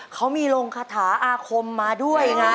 เขามีลงคาถาอาคมมาด้วยไง